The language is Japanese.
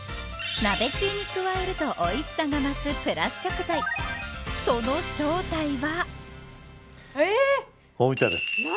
鍋つゆに加えるとおいしさが増すプラス食材その正体は。